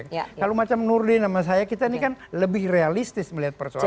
kalau macam nurdin sama saya kita ini kan lebih realistis melihat persoalan ini